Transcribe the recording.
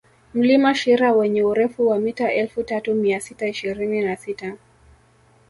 Mlima Shira wenye urefu wa mita elfu tatu mia sita ishirini na sita